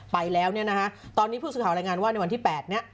ไปแล้วเนี่ยนะฮะตอนนี้ผู้สื่อข่าวรายงานว่าในวันที่๘เนี่ย